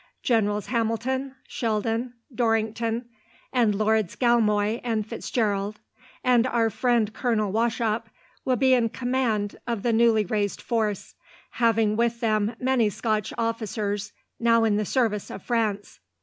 Generals Hamilton, Sheldon, Dorrington, and Lords Galmoy and Fitzgerald, and our friend Colonel Wauchop will be in command of the newly raised force, having with them many Scotch officers now in the service of France.